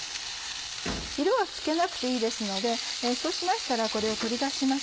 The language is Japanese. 色はつけなくていいですのでそうしましたらこれを取り出します。